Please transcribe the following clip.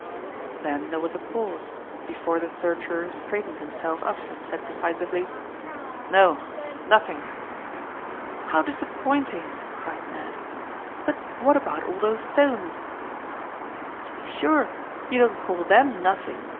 Then there was a pause, before the searcher straightened himself up and said decisively "No, nothing." "How disappointing," cried Ned. "But what about all those stones?" "To be sure. You don't call them nothing?"